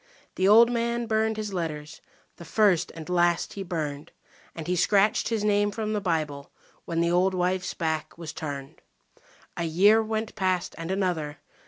The old man burned his letters, the first and last he burned, And he scratched his name from the Bible when the old wife's back was turned. A year went past and another.